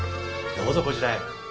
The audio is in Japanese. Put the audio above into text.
どうぞこちらへ。